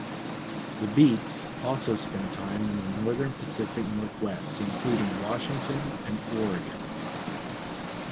The Beats also spent time in the Northern Pacific Northwest including Washington and Oregon.